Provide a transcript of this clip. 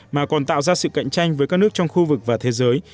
mà còn tạo ra sự cạnh tranh với các nước trong khu vực và thế giới